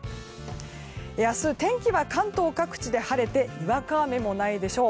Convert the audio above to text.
明日、天気は関東各地で晴れてにわか雨もないでしょう。